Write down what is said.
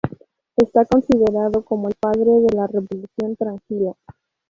Está considerado como el padre de la Revolución Tranquila.